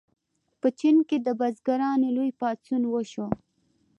په چین کې د بزګرانو لوی پاڅون وشو.